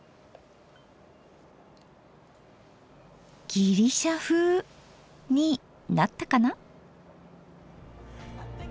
「ギリシャふう」になったかな？